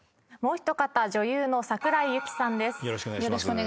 もう一方女優の桜井ユキさんです。